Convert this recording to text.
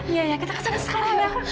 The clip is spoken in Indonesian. iya kita kesana sekarang